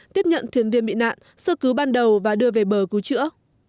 tiếp nhận thuyền viên bị nạn sơ cứu ban đầu và đưa về bờ cứu chữa